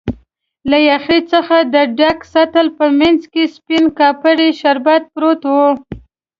له یخی څخه د ډک سطل په مینځ کې سپین کاپري شربت پروت و.